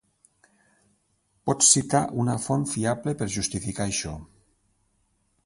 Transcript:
Pots citar una font fiable per justificar això.